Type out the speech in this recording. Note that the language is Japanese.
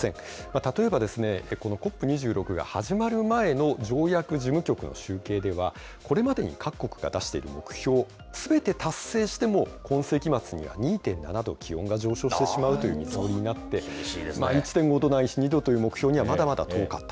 例えばこのＣＯＰ２６が始まる前の条約事務局の集計では、これまでに各国が出している目標すべて達成しても、今世紀末には２．７度気温が上昇してしまうという予想になって、１．５度ないし、２度という目標にはまだまだ遠かった。